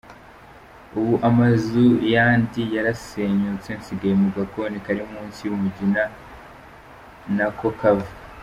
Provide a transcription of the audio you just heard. Ubu amazu yandi yarasenyutse, nsigaye mu gakoni kari munsi y’umugina, na ko kava.